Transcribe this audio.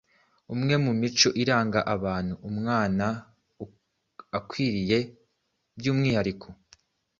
Umwe mu mico iranga abantu umwana akwiriye by’umwihariko